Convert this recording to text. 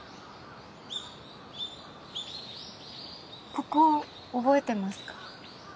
ここ覚えてますか？